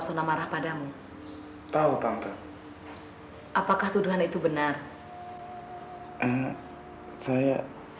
sampai jumpa di video selanjutnya